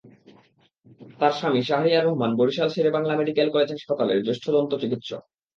তাঁর স্বামী Shahriar Rahman Barishal Sher-e-Bangla medical college হাসপাতালের জ্যেষ্ঠ দন্ত চিকিত্সক।